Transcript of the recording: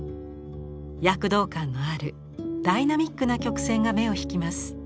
躍動感のあるダイナミックな曲線が目を引きます。